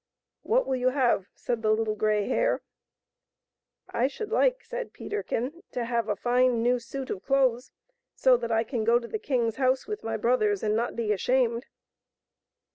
" What will you have?" said the Little Grey Hare. " I should like," said Peterkin, " to have a fine new suit of clothes, so that I can go to the king's house with my brothers and not be ashamed."